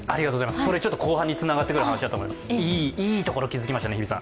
後半につながってくる話だと思います、いいところに気がつきましたね。